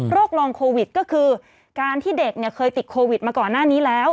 ลองโควิดก็คือการที่เด็กเนี่ยเคยติดโควิดมาก่อนหน้านี้แล้ว